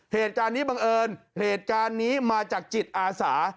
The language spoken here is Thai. เหตุการณ์นี้บังเอิญเหตุการณ์นี้มาจากจิตอาสา